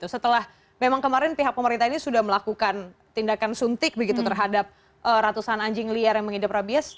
setelah memang kemarin pihak pemerintah ini sudah melakukan tindakan suntik begitu terhadap ratusan anjing liar yang mengidap rabies